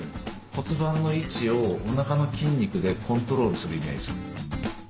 骨盤の位置をおなかの筋肉でコントロールするイメージで。